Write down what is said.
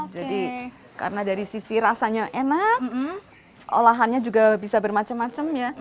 jadi karena dari sisi rasanya enak olahannya juga bisa bermacam macam ya